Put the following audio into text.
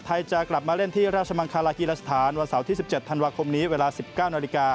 ไทยจะกลับมาเล่นที่ราชมังคารากิรัฐฐานวันเสาร์ที่๑๗ธันวาคมนี้เวลา๑๙น